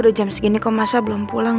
udah jam segini kok masa belum pulang